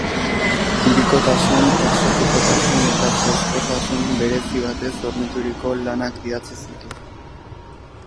Lirikotasun, exotikotasun eta freskotasun berezi batez hornituriko lanak idatzi zituen.